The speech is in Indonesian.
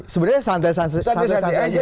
sebenarnya santai santai aja